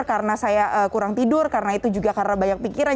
karena saya kurang tidur karena itu juga karena banyak pikiran